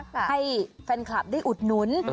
ให้แฟนคลับได้อุดหนุน